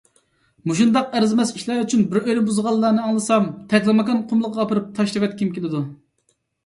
مۇشۇنداق ئەرزىمەس ئىشلار ئۈچۈن بىر ئۆينى بۇزغانلارنى ئاڭلىسام، تەكلىماكان قۇملۇقىغا ئاپىرىپ تاشلىۋەتكۈم كېلىدۇ.